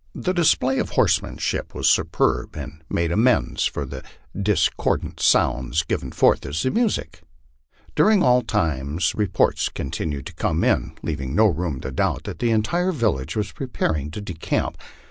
The dis play of horsemanship was superb, and made amends for the discordant sounds given forth as music. During all this time reports continued to come in, leaving no room to doubt that the entire village was preparing to decamp.